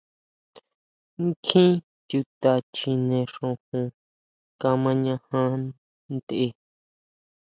Kjín chuta chjine xojon kamañaja ntʼe.